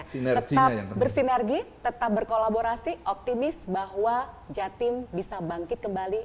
tetap bersinergi tetap berkolaborasi optimis bahwa jatim bisa bangkit kembali